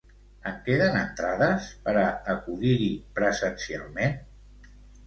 En queden entrades per a acudir-hi presencialment?